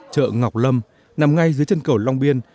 chợ ngọc lâm nằm ngay dưới chân cầu long biên